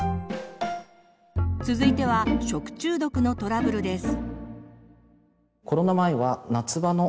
続いては食中毒のトラブルです。